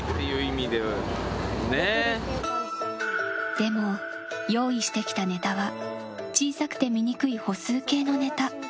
でも、用意してきたネタは小さくて見にくい歩数計のネタ。